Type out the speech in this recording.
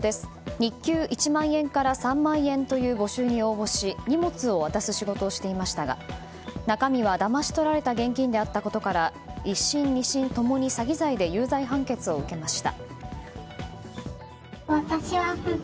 日給１万円から３万円という募集に応募し荷物を渡す仕事をしていましたが中身は、だまし取られた現金であったことから１審、２審共に詐欺罪で有罪判決を受けました。